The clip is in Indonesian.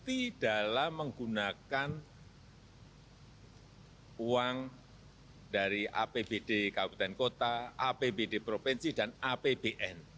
tidaklah menggunakan uang dari apbd kabupaten kota apbd provinsi dan apbn